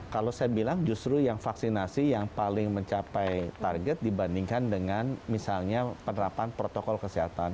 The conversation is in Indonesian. kalau saya bilang justru yang vaksinasi yang paling mencapai target dibandingkan dengan misalnya penerapan protokol kesehatan